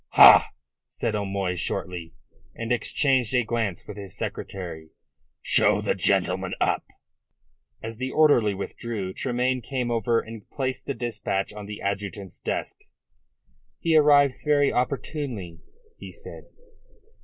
"Ha!" said O'Moy shortly, and exchanged a glance with his secretary. "Show the gentleman up." As the orderly withdrew, Tremayne came over and placed the dispatch on the adjutant's desk. "He arrives very opportunely," he said.